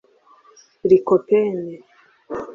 Lycopen